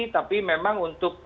tapi memang untuk